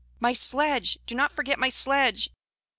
"My sledge! Do not forget my sledge!"